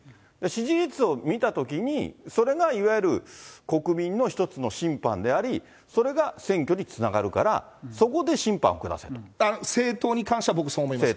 支持率を見たときに、それがいわゆる国民の一つの審判であり、それが選挙につながるから、政党に関しては僕はそう思います。